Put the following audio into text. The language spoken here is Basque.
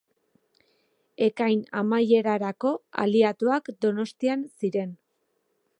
Ekain amaierarako, aliatuak Donostian ziren.